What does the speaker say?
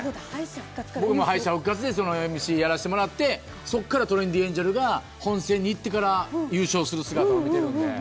僕も敗者復活のＭＣをやらせてもらって、そこからトレンディエンジェルが本戦に行ってから、優勝する姿を見ているんで。